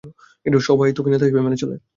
সবাই তাকে নেতা হিসেবে মেনে চলে।